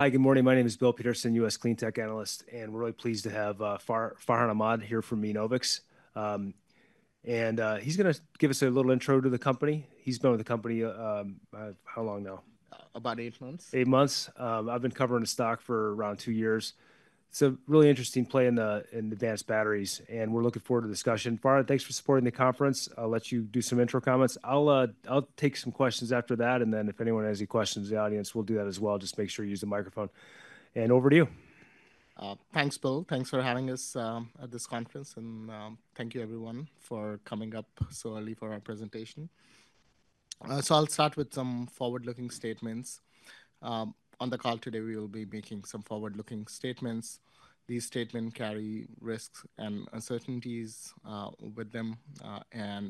Hi, good morning. My name is Bill Peterson, U.S. Cleantech analyst, and we're really pleased to have Farhan Ahmad here from Enovix. He's going to give us a little intro to the company. He's been with the company how long now? About 8 months. 8 months. I've been covering the stock for around 2 years. It's a really interesting play in advanced batteries, and we're looking forward to discussion. Farhan, thanks for supporting the conference. I'll let you do some intro comments. I'll take some questions after that, and then if anyone has any questions in the audience, we'll do that as well. Just make sure you use the microphone. Over to you. Thanks, Bill. Thanks for having us at this conference, and thank you, everyone, for coming up so early for our presentation. So I'll start with some forward-looking statements. On the call today, we will be making some forward-looking statements. These statements carry risks and uncertainties with them.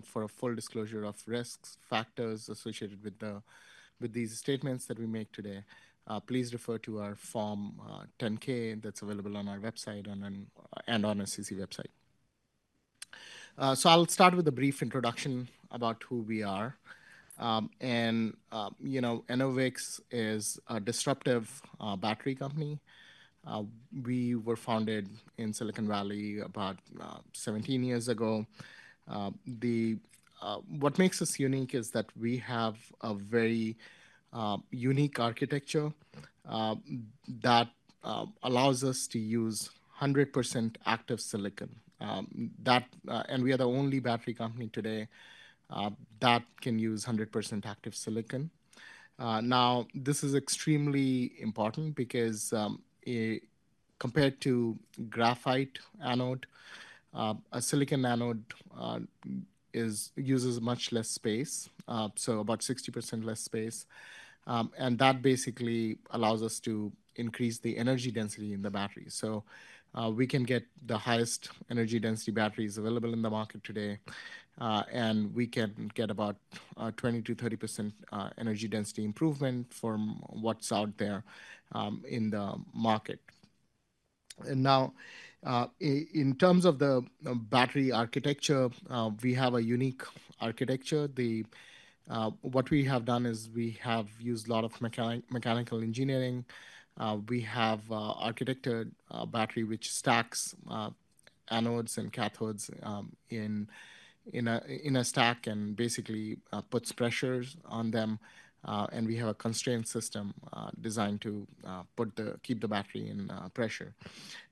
For a full disclosure of risks, factors associated with these statements that we make today, please refer to our Form 10-K that's available on our website and on SEC website. So I'll start with a brief introduction about who we are. Enovix is a disruptive battery company. We were founded in Silicon Valley about 17 years ago. What makes us unique is that we have a very unique architecture that allows us to use 100% active silicon. We are the only battery company today that can use 100% active silicon. Now, this is extremely important because compared to graphite anode, a silicon anode uses much less space, so about 60% less space. And that basically allows us to increase the energy density in the battery. So we can get the highest energy density batteries available in the market today, and we can get about 20%-30% energy density improvement from what's out there in the market. And now, in terms of the battery architecture, we have a unique architecture. What we have done is we have used a lot of mechanical engineering. We have architected a battery which stacks anodes and cathodes in a stack and basically puts pressures on them. And we have a constraint system designed to keep the battery in pressure.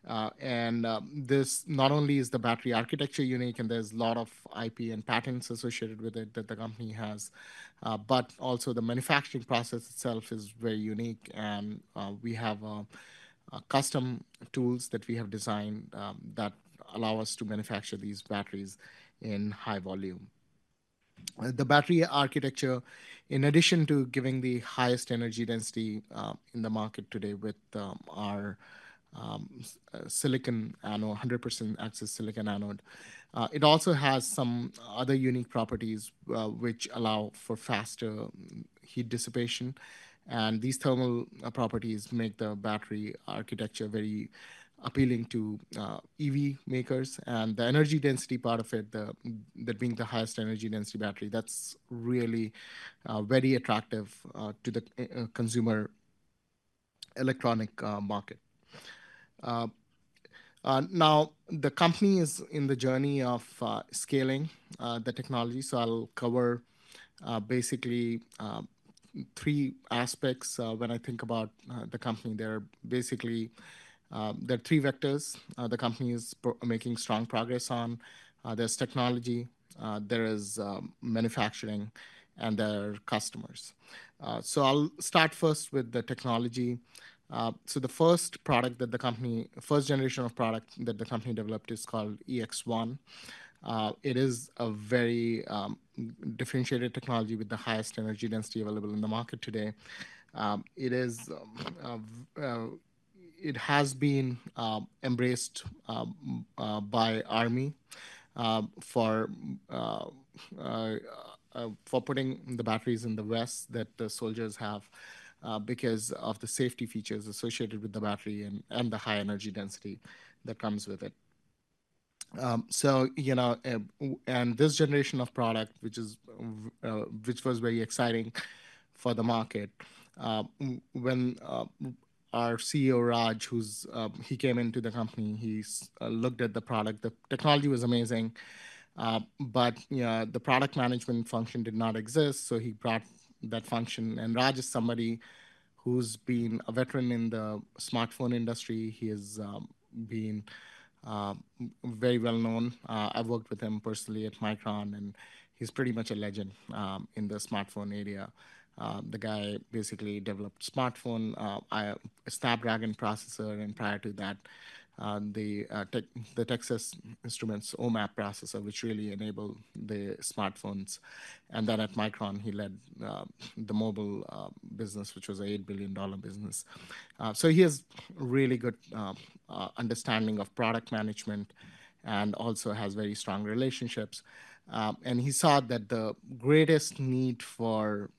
Not only is the battery architecture unique, and there's a lot of IP and patents associated with it that the company has, but also the manufacturing process itself is very unique. We have custom tools that we have designed that allow us to manufacture these batteries in high volume. The battery architecture, in addition to giving the highest energy density in the market today with our 100% active silicon anode, it also has some other unique properties which allow for faster heat dissipation. These thermal properties make the battery architecture very appealing to EV makers. The energy density part of it, that being the highest energy density battery, that's really very attractive to the consumer electronic market. Now, the company is in the journey of scaling the technology. I'll cover basically three aspects when I think about the company. There are three vectors the company is making strong progress on. There's technology. There is manufacturing. And there are customers. So I'll start first with the technology. So the first product that the company first generation of product that the company developed is called EX-1. It is a very differentiated technology with the highest energy density available in the market today. It has been embraced by the Army for putting the batteries in the vest that the soldiers have because of the safety features associated with the battery and the high energy density that comes with it. And this generation of product, which was very exciting for the market, when our CEO Raj, he came into the company. He looked at the product. The technology was amazing. But the product management function did not exist. So he brought that function. Raj is somebody who's been a veteran in the smartphone industry. He has been very well known. I've worked with him personally at Micron. He's pretty much a legend in the smartphone area. The guy basically developed a smartphone, a Snapdragon processor, and prior to that, the Texas Instruments OMAP processor, which really enabled the smartphones. Then at Micron, he led the mobile business, which was an $8 billion business. So he has really good understanding of product management and also has very strong relationships. He saw that the greatest need for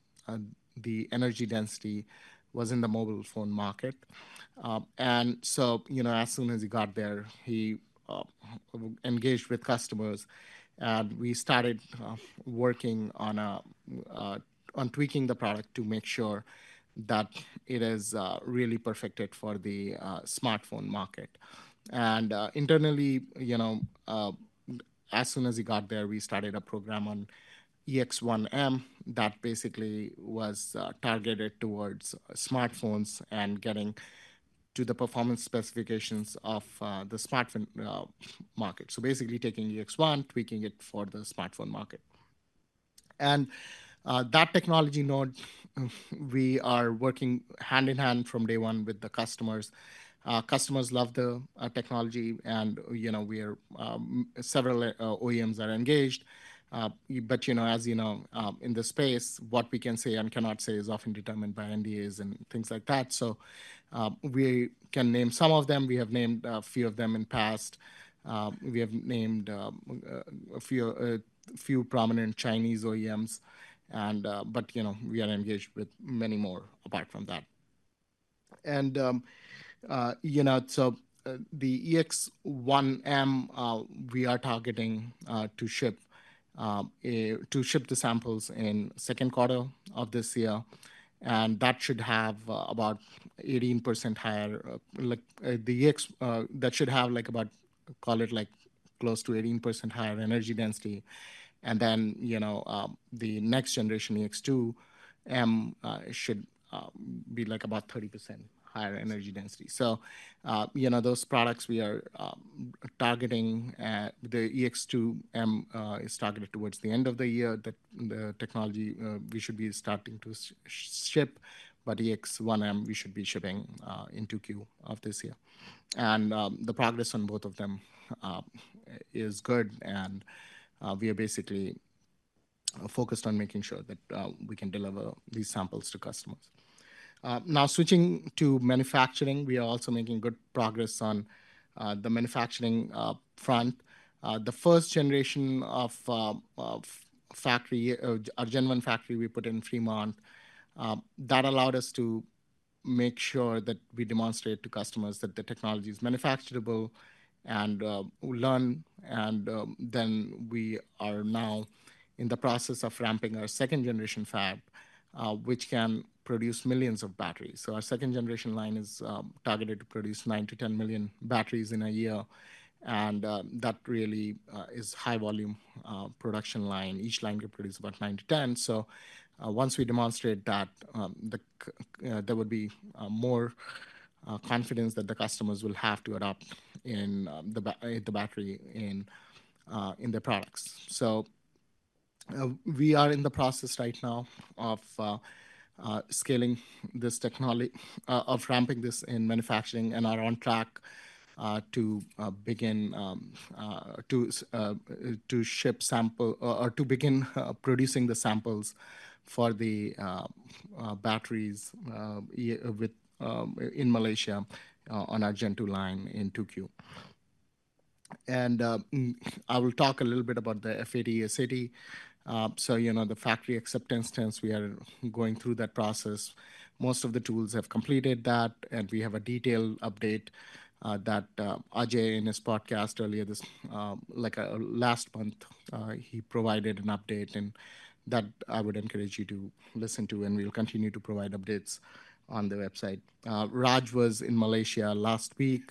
the energy density was in the mobile phone market. So as soon as he got there, he engaged with customers. We started working on tweaking the product to make sure that it is really perfected for the smartphone market. Internally, as soon as he got there, we started a program on EX-1M that basically was targeted towards smartphones and getting to the performance specifications of the smartphone market. So basically taking EX-1, tweaking it for the smartphone market. And that technology node, we are working hand in hand from day one with the customers. Customers love the technology. And several OEMs are engaged. But as you know, in this space, what we can say and cannot say is often determined by NDAs and things like that. So we can name some of them. We have named a few of them in the past. We have named a few prominent Chinese OEMs. But we are engaged with many more apart from that. And so the EX-1M, we are targeting to ship the samples in the second quarter of this year. That should have about 18% higher energy density, call it, close to 18% higher. And then the next generation, EX-2M, should be about 30% higher energy density. So those products, the EX-2M is targeted towards the end of the year, the technology we should be starting to ship. But EX-1M, we should be shipping in 2Q of this year. And the progress on both of them is good. And we are basically focused on making sure that we can deliver these samples to customers. Now, switching to manufacturing, we are also making good progress on the manufacturing front. The first generation of our Gen1 factory we put in Fremont, that allowed us to make sure that we demonstrate to customers that the technology is manufacturable and learn. And then we are now in the process of ramping our second generation fab, which can produce millions of batteries. So our second generation line is targeted to produce 9-10 million batteries in a year. And that really is a high-volume production line. Each line could produce about 9-10. So once we demonstrate that, there would be more confidence that the customers will have to adopt the battery in their products. So we are in the process right now of scaling this technology, of ramping this in manufacturing, and are on track to begin to ship sample or to begin producing the samples for the batteries in Malaysia on our Gen2 line in 2Q. And I will talk a little bit about the FAT/SAT. So the factory acceptance test, we are going through that process. Most of the tools have completed that. We have a detailed update that Ajay, in his podcast earlier this last month, he provided an update. That I would encourage you to listen to. We'll continue to provide updates on the website. Raj was in Malaysia last week.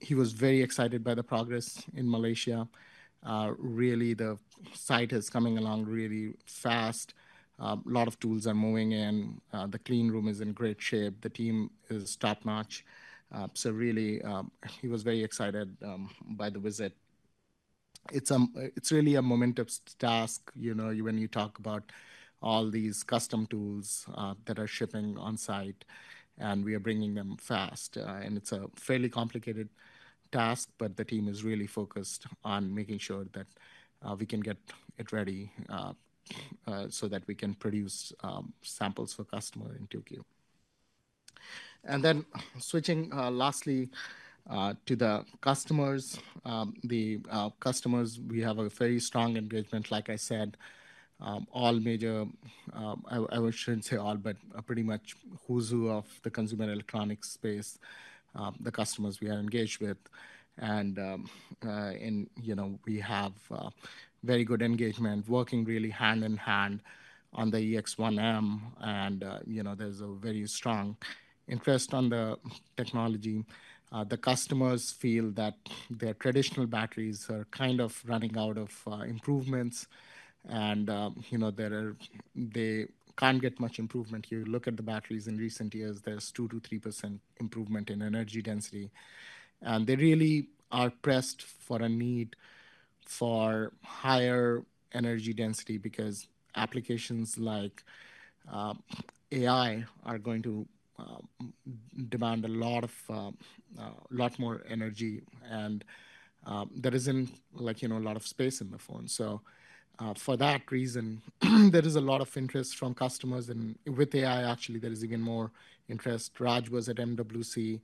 He was very excited by the progress in Malaysia. Really, the site is coming along really fast. A lot of tools are moving in. The clean room is in great shape. The team is top-notch. So really, he was very excited by the visit. It's really a momentous task when you talk about all these custom tools that are shipping on-site. We are bringing them fast. It's a fairly complicated task. But the team is really focused on making sure that we can get it ready so that we can produce samples for customers in 2Q. And then, switching lastly to the customers, we have a very strong engagement—like I said—all major. I shouldn't say all, but pretty much who's who of the consumer electronics space, the customers we are engaged with. We have very good engagement, working really hand in hand on the EX-1M. There's a very strong interest on the technology. The customers feel that their traditional batteries are kind of running out of improvements. They can't get much improvement. You look at the batteries in recent years; there's 2%-3% improvement in energy density. They really are pressed for a need for higher energy density because applications like AI are going to demand a lot more energy. There isn't a lot of space in the phone. So for that reason, there is a lot of interest from customers. With AI, actually, there is even more interest. Raj was at MWC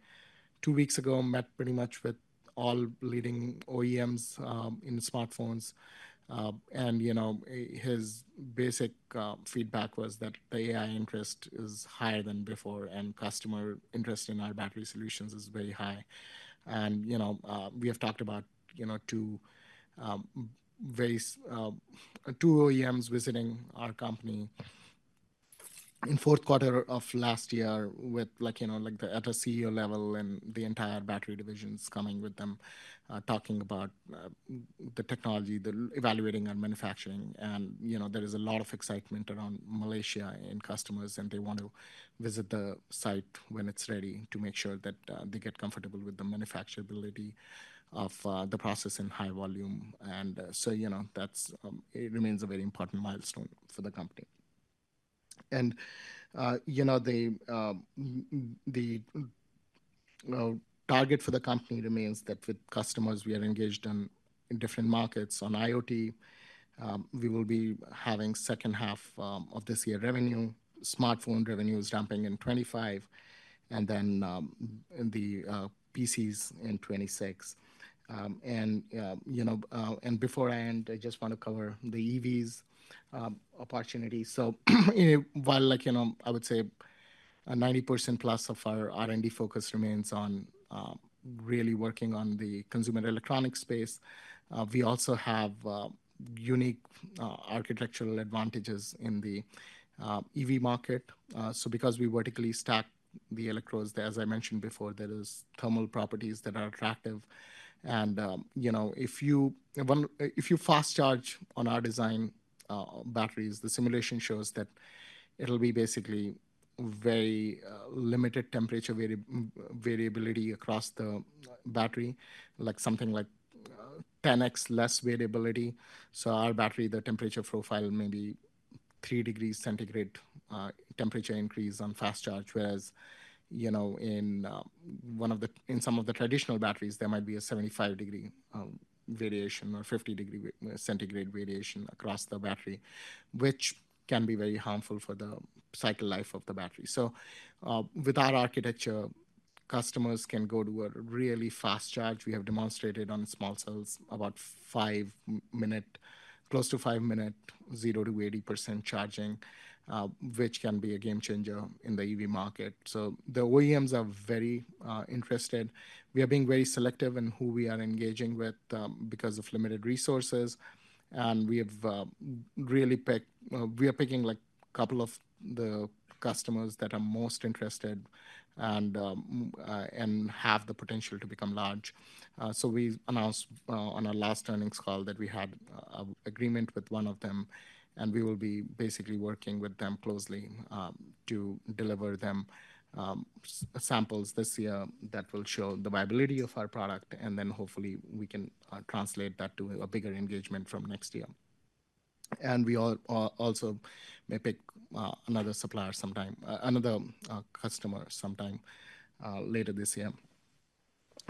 two weeks ago, met pretty much with all leading OEMs in smartphones. His basic feedback was that the AI interest is higher than before. Customer interest in our battery solutions is very high. We have talked about two OEMs visiting our company in the fourth quarter of last year at the CEO level and the entire battery divisions coming with them, talking about the technology, evaluating our manufacturing. There is a lot of excitement around Malaysia and customers. They want to visit the site when it's ready to make sure that they get comfortable with the manufacturability of the process in high volume. So it remains a very important milestone for the company. The target for the company remains that with customers, we are engaged in different markets. On IoT, we will be having the second half of this year revenue. Smartphone revenue is ramping in 2025. Then the PCs in 2026. Before I end, I just want to cover the EVs opportunity. So while I would say 90% plus of our R&D focus remains on really working on the consumer electronics space, we also have unique architectural advantages in the EV market. So because we vertically stack the electrodes, as I mentioned before, there are thermal properties that are attractive. And if you fast charge on our design batteries, the simulation shows that it'll be basically very limited temperature variability across the battery, something like 10x less variability. So our battery, the temperature profile, may be 3 degrees centigrade temperature increase on fast charge. Whereas in some of the traditional batteries, there might be a 75-degree variation or 50-degree centigrade variation across the battery, which can be very harmful for the cycle life of the battery. So with our architecture, customers can go to a really fast charge. We have demonstrated on small cells about close to 5-minute 0%-80% charging, which can be a game changer in the EV market. So the OEMs are very interested. We are being very selective in who we are engaging with because of limited resources. And we are picking a couple of the customers that are most interested and have the potential to become large. So we announced on our last earnings call that we had an agreement with one of them. And we will be basically working with them closely to deliver them samples this year that will show the viability of our product. And then hopefully, we can translate that to a bigger engagement from next year. And we also may pick another supplier sometime, another customer sometime later this year.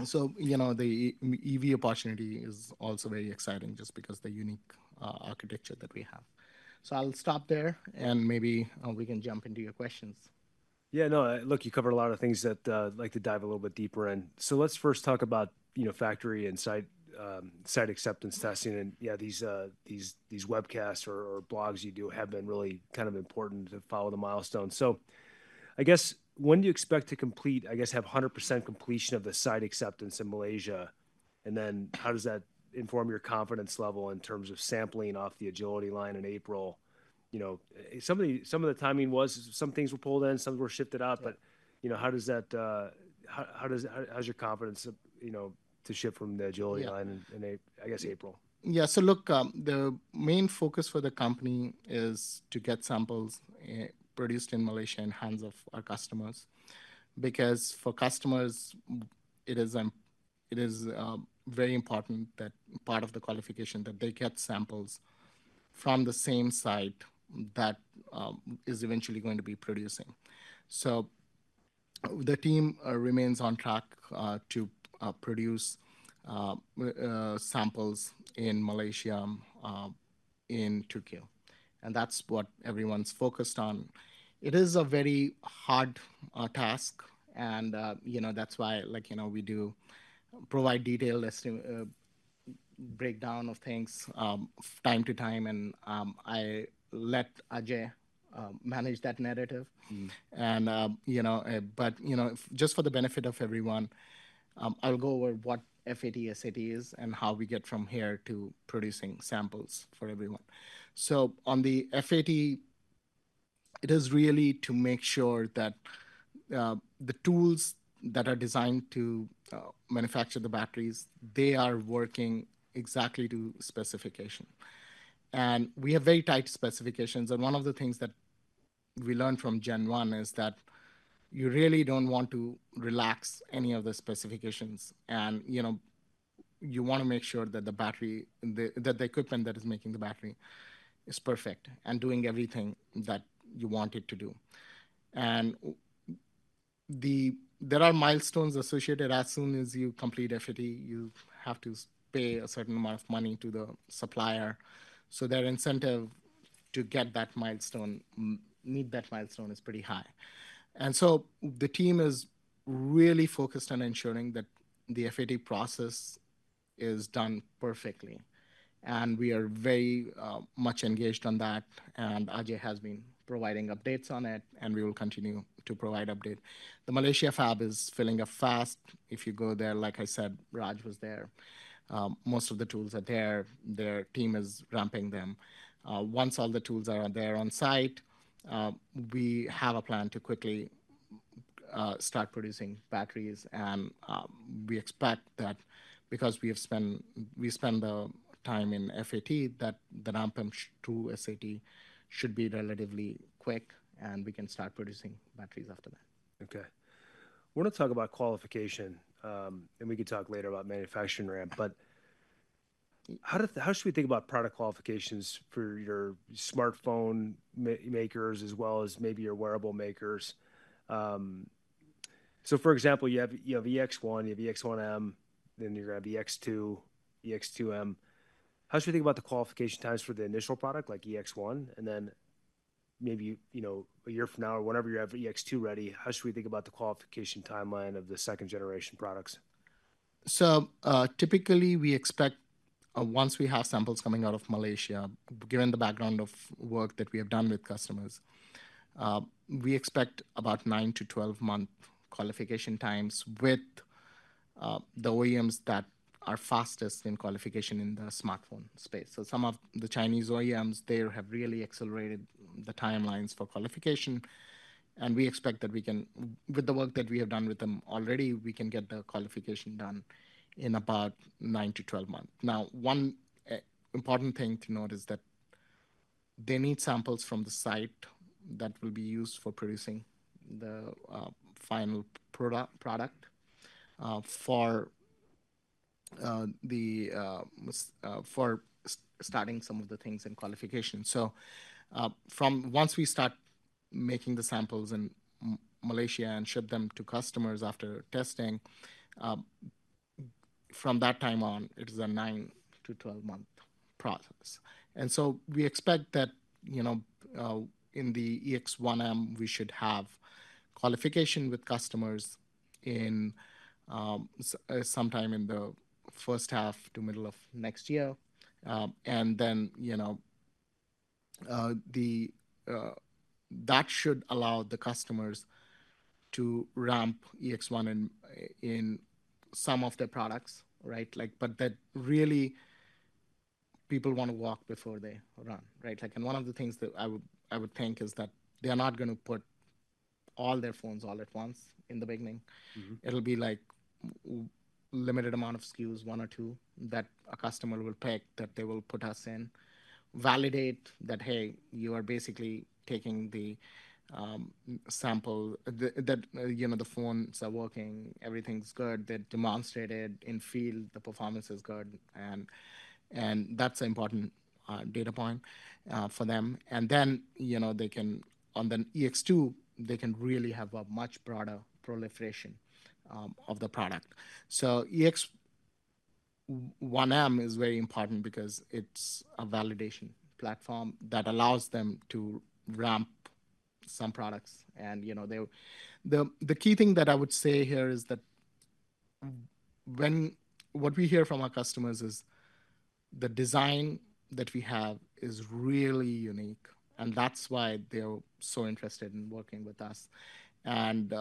So the EV opportunity is also very exciting just because of the unique architecture that we have. So I'll stop there. And maybe we can jump into your questions. Yeah. No. Look, you covered a lot of things that I'd like to dive a little bit deeper in. So let's first talk about factory and site acceptance testing. Yeah, these webcasts or blogs you do have been really kind of important to follow the milestones. So I guess when do you expect to complete, I guess, have 100% completion of the site acceptance in Malaysia? And then how does that inform your confidence level in terms of sampling off the Agility Line in April? Some of the timing was some things were pulled in. Some were shifted out. But how does your confidence to shift from the Agility Line, I guess, April? Yeah. So look, the main focus for the company is to get samples produced in Malaysia in hands of our customers. Because for customers, it is very important that part of the qualification that they get samples from the same site that is eventually going to be producing. So the team remains on track to produce samples in Malaysia in 2Q. And that's what everyone's focused on. It is a very hard task. And that's why we do provide detailed breakdown of things time to time. And I let Ajay manage that narrative. But just for the benefit of everyone, I'll go over what FAT/SAT is and how we get from here to producing samples for everyone. So on the FAT, it is really to make sure that the tools that are designed to manufacture the batteries, they are working exactly to specification. And we have very tight specifications. One of the things that we learned from Gen1 is that you really don't want to relax any of the specifications. You want to make sure that the equipment that is making the battery is perfect and doing everything that you want it to do. There are milestones associated. As soon as you complete FAT, you have to pay a certain amount of money to the supplier. So their incentive to meet that milestone is pretty high. The team is really focused on ensuring that the FAT process is done perfectly. We are very much engaged on that. Ajay has been providing updates on it. We will continue to provide updates. The Malaysia fab is filling up fast. If you go there, like I said, Raj was there. Most of the tools are there. Their team is ramping them. Once all the tools are there on site, we have a plan to quickly start producing batteries. We expect that because we spend the time in FAT, that the ramp-up to SAT should be relatively quick. We can start producing batteries after that. Okay. We're going to talk about qualification. And we could talk later about manufacturing ramp. But how should we think about product qualifications for your smartphone makers as well as maybe your wearable makers? So for example, you have EX-1. You have EX-1M. Then you're going to have EX-2, EX-2M. How should we think about the qualification times for the initial product, like EX-1? And then maybe a year from now or whenever you have EX-2 ready, how should we think about the qualification timeline of the second-generation products? So typically, we expect once we have samples coming out of Malaysia, given the background of work that we have done with customers, we expect about 9-12-month qualification times with the OEMs that are fastest in qualification in the smartphone space. So some of the Chinese OEMs, they have really accelerated the timelines for qualification. And we expect that with the work that we have done with them already, we can get the qualification done in about 9-12 months. Now, one important thing to note is that they need samples from the site that will be used for producing the final product for starting some of the things in qualification. So once we start making the samples in Malaysia and ship them to customers after testing, from that time on, it is a 9-12-month process. So we expect that in the EX-1M, we should have qualification with customers sometime in the first half to middle of next year. Then that should allow the customers to ramp EX-1 in some of their products, right? But really, people want to walk before they run, right? One of the things that I would think is that they are not going to put all their phones all at once in the beginning. It'll be a limited amount of SKUs, one or two, that a customer will pick that they will put us in, validate that, "Hey, you are basically taking the sample, that the phones are working. Everything's good. They're demonstrated in field. The performance is good." That's an important data point for them. Then on the EX-2, they can really have a much broader proliferation of the product. So EX-1M is very important because it's a validation platform that allows them to ramp some products. And the key thing that I would say here is that what we hear from our customers is the design that we have is really unique. And that's why they're so interested in working with us. And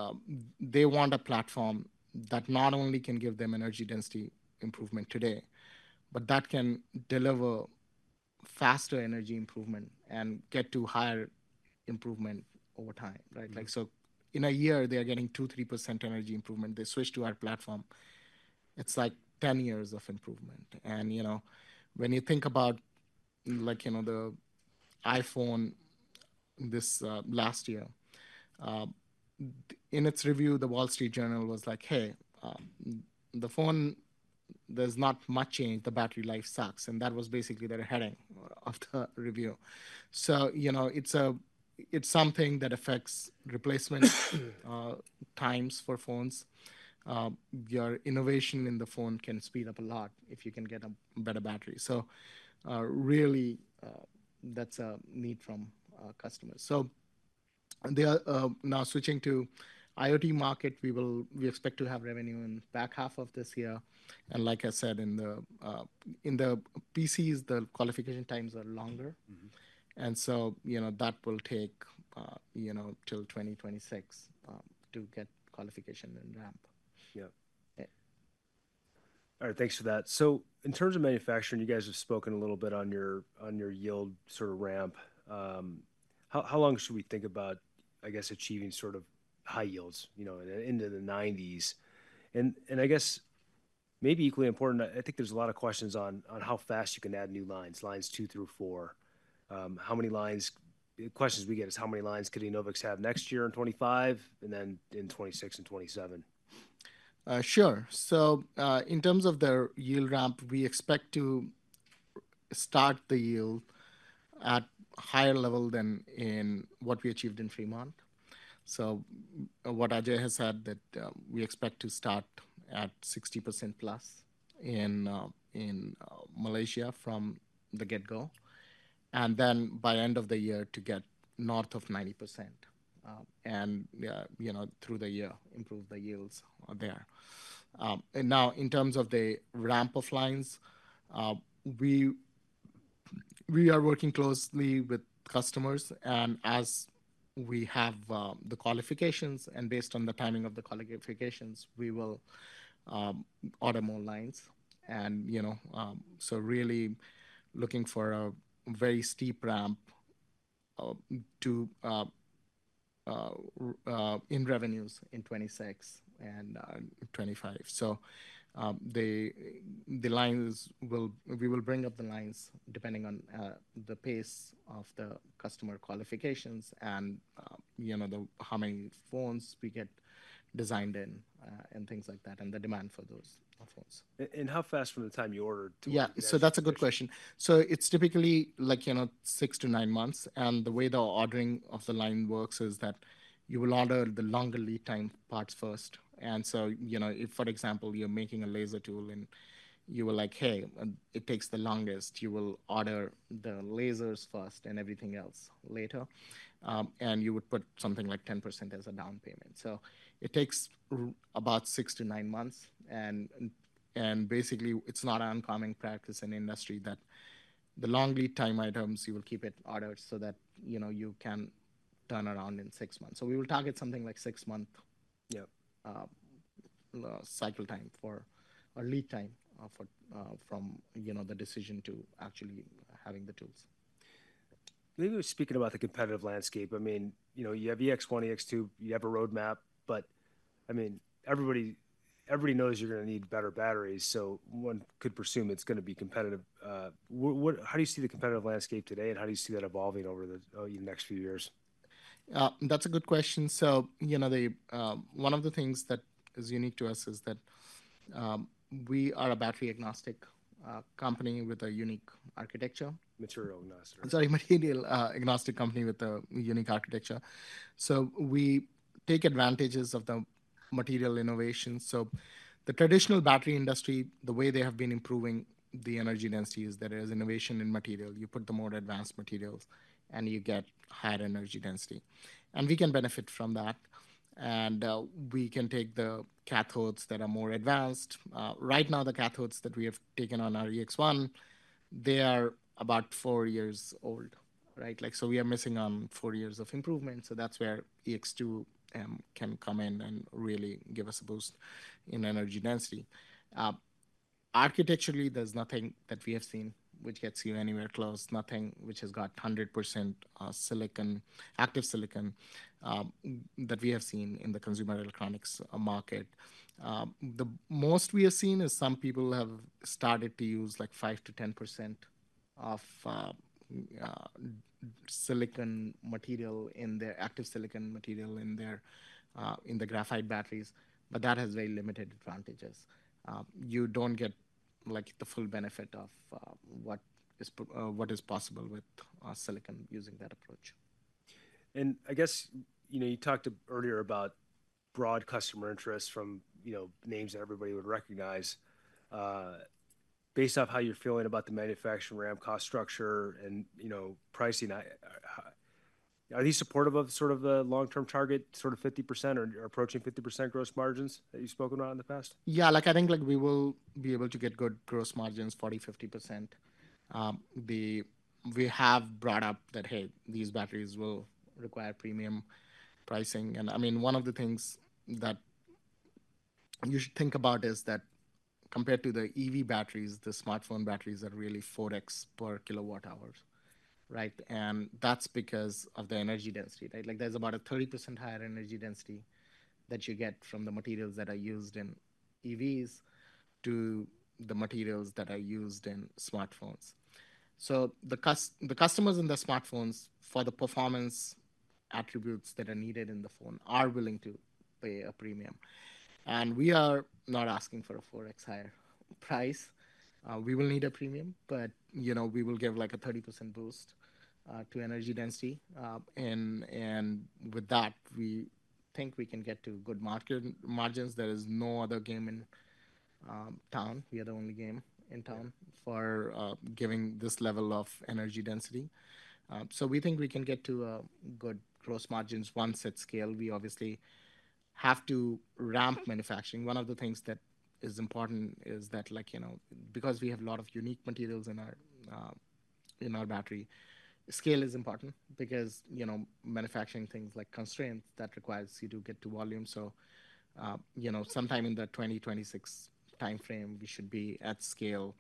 they want a platform that not only can give them energy density improvement today, but that can deliver faster energy improvement and get to higher improvement over time, right? So in a year, they are getting 2%-3% energy improvement. They switch to our platform. It's like 10 years of improvement. And when you think about the iPhone this last year, in its review, the Wall Street Journal was like, "Hey, there's not much change. The battery life sucks." And that was basically their heading of the review. So it's something that affects replacement times for phones. Your innovation in the phone can speed up a lot if you can get a better battery. So really, that's a need from customers. So now switching to IoT market, we expect to have revenue in the back half of this year. And like I said, in the PCs, the qualification times are longer. And so that will take till 2026 to get qualification and ramp. Yeah. All right. Thanks for that. So in terms of manufacturing, you guys have spoken a little bit on your yield sort of ramp. How long should we think about, I guess, achieving sort of high yields into the 90s%? And I guess maybe equally important, I think there's a lot of questions on how fast you can add new lines, lines 2 through 4. Questions we get is, how many lines could Enovix have next year in 2025 and then in 2026 and 2027? Sure. So in terms of their yield ramp, we expect to start the yield at a higher level than what we achieved in Fremont. So what Ajay has said, that we expect to start at 60% plus in Malaysia from the get-go. And then by end of the year, to get north of 90% through the year, improve the yields there. And now in terms of the ramp of lines, we are working closely with customers. And as we have the qualifications and based on the timing of the qualifications, we will order more lines. And so really looking for a very steep ramp in revenues in 2026 and 2025. So we will bring up the lines depending on the pace of the customer qualifications and how many phones we get designed in and things like that and the demand for those phones. How fast from the time you ordered to? Yeah. So that's a good question. So it's typically 6-9 months. And the way the ordering of the line works is that you will order the longer lead time parts first. And so if, for example, you're making a laser tool and you were like, "Hey, it takes the longest," you will order the lasers first and everything else later. And you would put something like 10% as a down payment. So it takes about 6-9 months. And basically, it's not an uncommon practice in industry that the long lead time items, you will keep it ordered so that you can turn around in 6 months. So we will target something like 6-month cycle time or lead time from the decision to actually having the tools. Maybe speaking about the competitive landscape, I mean, you have EX-1, EX-2. You have a roadmap. But I mean, everybody knows you're going to need better batteries. So one could presume it's going to be competitive. How do you see the competitive landscape today? And how do you see that evolving over the next few years? That's a good question. So one of the things that is unique to us is that we are a battery agnostic company with a unique architecture. Material agnostic. Sorry, material agnostic company with a unique architecture. So we take advantages of the material innovation. So the traditional battery industry, the way they have been improving the energy density is that there is innovation in material. You put the more advanced materials, and you get higher energy density. And we can benefit from that. And we can take the cathodes that are more advanced. Right now, the cathodes that we have taken on our EX-1, they are about 4 years old, right? So we are missing on 4 years of improvement. So that's where EX-2M can come in and really give us a boost in energy density. Architecturally, there's nothing that we have seen which gets you anywhere close, nothing which has got 100% active silicon that we have seen in the consumer electronics market. The most we have seen is some people have started to use 5%-10% of active silicon material in the graphite batteries. But that has very limited advantages. You don't get the full benefit of what is possible with silicon using that approach. I guess you talked earlier about broad customer interest from names that everybody would recognize. Based off how you're feeling about the manufacturing ramp, cost structure, and pricing, are these supportive of sort of the long-term target, sort of 50% or approaching 50% gross margins that you've spoken about in the past? Yeah. I think we will be able to get good gross margins, 40%-50%. We have brought up that, "Hey, these batteries will require premium pricing." And I mean, one of the things that you should think about is that compared to the EV batteries, the smartphone batteries are really 4x per kWh, right? And that's because of the energy density, right? There's about a 30% higher energy density that you get from the materials that are used in EVs to the materials that are used in smartphones. So the customers in the smartphones, for the performance attributes that are needed in the phone, are willing to pay a premium. And we are not asking for a 4x higher price. We will need a premium. But we will give a 30% boost to energy density. And with that, we think we can get to good margins. There is no other game in town. We are the only game in town for giving this level of energy density. So we think we can get to good gross margins once at scale. We obviously have to ramp manufacturing. One of the things that is important is that because we have a lot of unique materials in our battery, scale is important because manufacturing things like constraints that requires you to get to volume. So sometime in the 2026 timeframe, we should be at scale.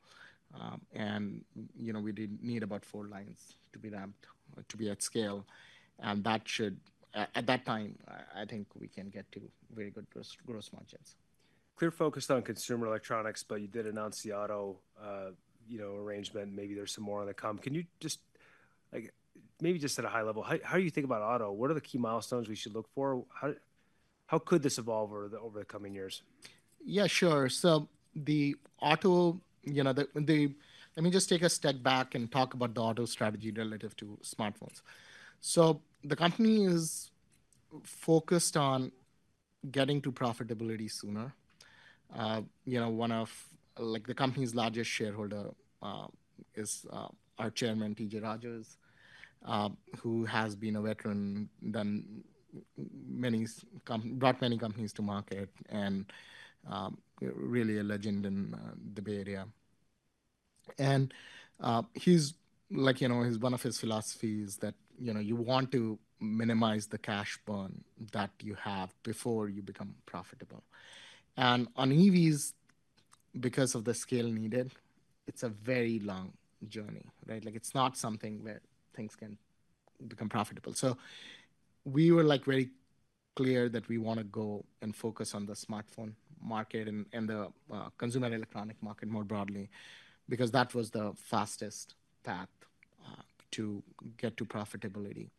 We need about four lines to be ramped, to be at scale. And at that time, I think we can get to very good gross margins. We're focused on consumer electronics, but you did announce the auto arrangement. Maybe there's some more on the come. Maybe just at a high level, how do you think about auto? What are the key milestones we should look for? How could this evolve over the coming years? Yeah, sure. So let me just take a step back and talk about the auto strategy relative to smartphones. So the company is focused on getting to profitability sooner. One of the company's largest shareholders is our chairman, T.J. Rogers, who has been a veteran, brought many companies to market, and really a legend in the Bay Area. And one of his philosophies is that you want to minimize the cash burn that you have before you become profitable. And on EVs, because of the scale needed, it's a very long journey, right? It's not something where things can become profitable. So we were very clear that we want to go and focus on the smartphone market and the consumer electronic market more broadly because that was the fastest path to get to profitability.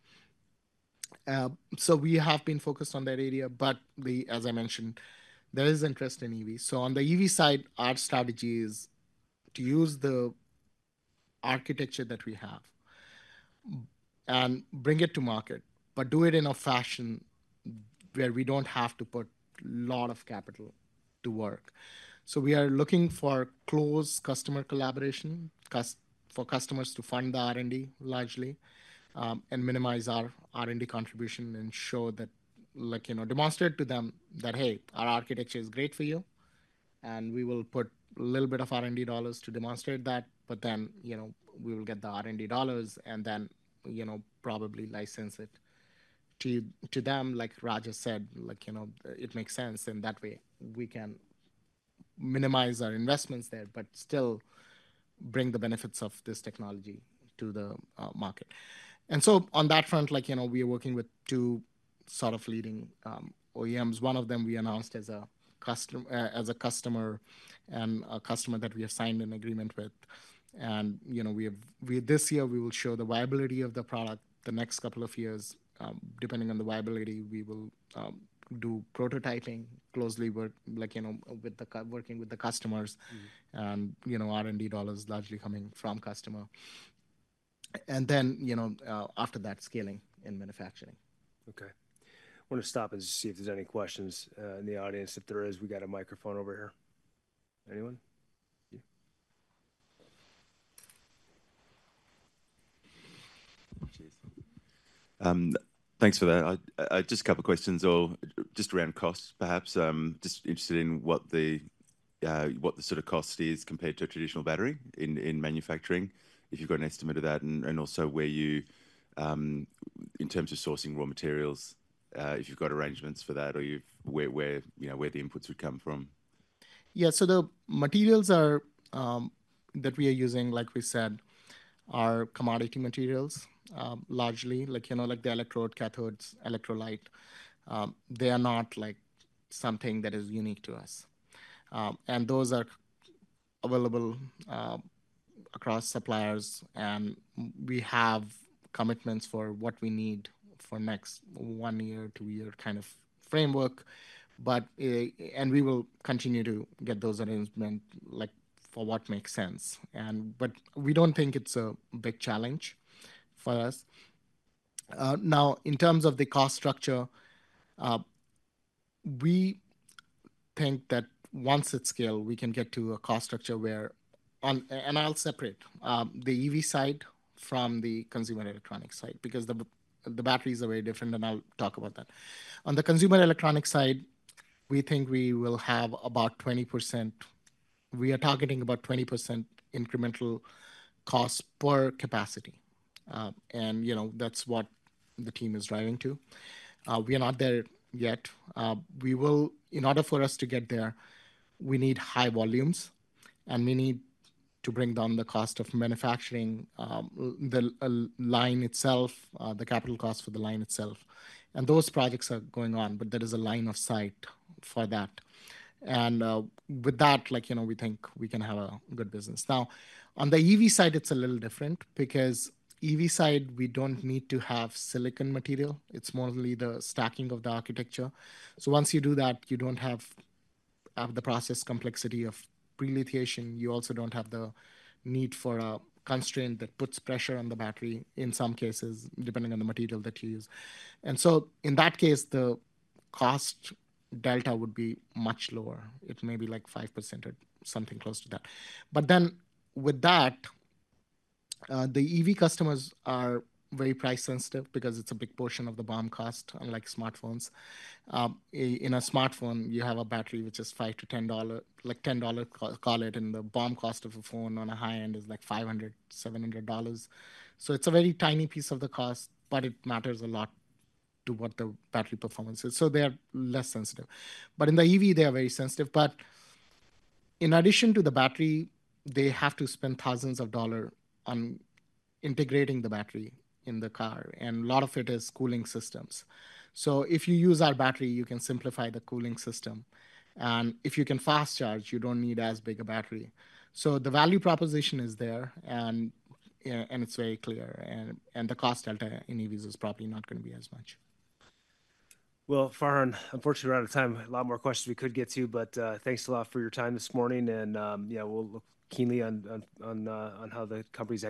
So we have been focused on that area. But as I mentioned, there is interest in EVs. So on the EV side, our strategy is to use the architecture that we have and bring it to market, but do it in a fashion where we don't have to put a lot of capital to work. So we are looking for close customer collaboration for customers to fund the R&D largely and minimize our R&D contribution and demonstrate to them that, "Hey, our architecture is great for you. And we will put a little bit of R&D dollars to demonstrate that. But then we will get the R&D dollars and then probably license it to them." Like Raj has said, it makes sense. In that way, we can minimize our investments there but still bring the benefits of this technology to the market. And so on that front, we are working with two sort of leading OEMs. One of them we announced as a customer and a customer that we have signed an agreement with. This year, we will show the viability of the product. The next couple of years, depending on the viability, we will do prototyping, closely working with the customers, and R&D dollars largely coming from customer. Then after that, scaling in manufacturing. Okay. I want to stop and see if there's any questions in the audience. If there is, we got a microphone over here. Anyone? Thanks for that. Just a couple of questions just around costs, perhaps. Just interested in what the sort of cost is compared to a traditional battery in manufacturing, if you've got an estimate of that, and also in terms of sourcing raw materials, if you've got arrangements for that or where the inputs would come from. Yeah. So the materials that we are using, like we said, are commodity materials largely, like the electrode, cathodes, electrolyte. They are not something that is unique to us. Those are available across suppliers. We have commitments for what we need for next 1 year, 2-year kind of framework. We will continue to get those arrangements for what makes sense. But we don't think it's a big challenge for us. Now, in terms of the cost structure, we think that once at scale, we can get to a cost structure where, and I'll separate the EV side from the consumer electronics side because the batteries are very different. I'll talk about that. On the consumer electronics side, we think we will have about 20%; we are targeting about 20% incremental cost per capacity. That's what the team is driving to. We are not there yet. In order for us to get there, we need high volumes. We need to bring down the cost of manufacturing, the line itself, the capital cost for the line itself. Those projects are going on. But there is a line of sight for that. With that, we think we can have a good business. Now, on the EV side, it's a little different because EV side, we don't need to have silicon material. It's mostly the stacking of the architecture. So once you do that, you don't have the process complexity of prelithiation. You also don't have the need for a constraint that puts pressure on the battery in some cases, depending on the material that you use. And so in that case, the cost delta would be much lower. It may be 5% or something close to that. But then with that, the EV customers are very price sensitive because it's a big portion of the BOM cost, unlike smartphones. In a smartphone, you have a battery which is $5-$10, call it. And the BOM cost of a phone on a high end is $500-$700. So it's a very tiny piece of the cost. But it matters a lot to what the battery performance is. So they are less sensitive. But in the EV, they are very sensitive. But in addition to the battery, they have to spend thousands of dollars on integrating the battery in the car. And a lot of it is cooling systems. So if you use our battery, you can simplify the cooling system. And if you can fast charge, you don't need as big a battery. So the value proposition is there. And it's very clear. The cost delta in EVs is probably not going to be as much. Well, Farhan, unfortunately, we're out of time. A lot more questions we could get to. But thanks a lot for your time this morning. We'll look keenly on how the companies.